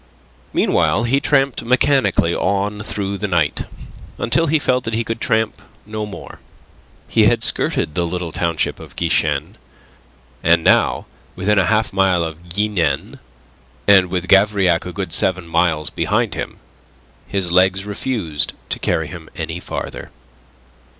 Meanwhile he tramped mechanically on through the night, until he felt that he could tramp no more. He had skirted the little township of Guichen, and now within a half mile of Guignen, and with Gavrillac a good seven miles behind him, his legs refused to carry him any farther.